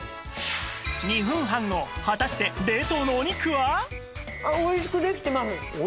２分半後果たして冷凍のお肉は？